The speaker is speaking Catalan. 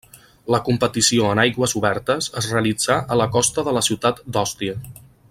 La competició en aigües obertes es realitzà a la costa de la ciutat d'Òstia.